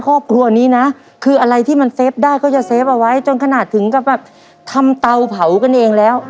ครอบครัวนี้นะคืออะไรที่มันเฟฟได้ก็จะเฟฟเอาไว้จนขนาดถึงกับแบบทำเตาเผากันเองแล้ว